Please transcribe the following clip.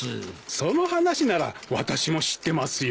その話なら私も知ってますよ。